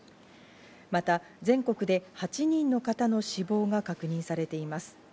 また全国で８人の方の死亡が確認されています。